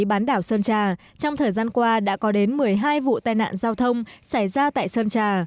bán đảo sơn trà trong thời gian qua đã có đến một mươi hai vụ tai nạn giao thông xảy ra tại sơn trà